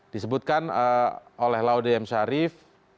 disebutkan oleh laude m syarif